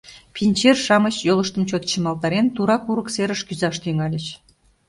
Пинчер-шамыч, йолыштым чот чымалтарен, тура курык серыш кӱзаш тӱҥальыч.